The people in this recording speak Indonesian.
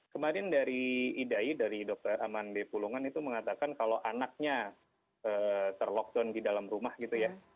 kemarin dari idai dari dokter aman b pulungan itu mengatakan kalau anaknya ter lockdown di dalam rumah gitu ya